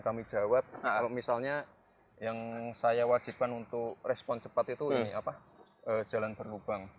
kami jawab kalau misalnya yang saya wajibkan untuk respon cepat itu ini apa jalan berlubang